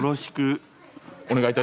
お願いいたします。